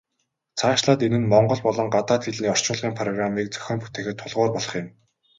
Цаашлаад энэ нь монгол болон гадаад хэлний орчуулгын программыг зохион бүтээхэд тулгуур болох юм.